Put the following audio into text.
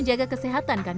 jadi sekarang gini